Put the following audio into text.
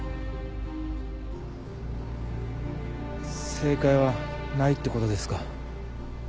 正解はないってことですか。